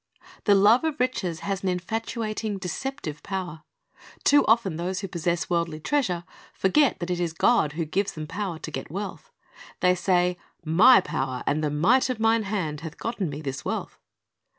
The love of riches has an infatuating, deceptive power. Too often those who pos sess worldly treasure forget that it is God who gives them power to get wealth. They say, "My power and the might of mine hand hath gotten me this wealth."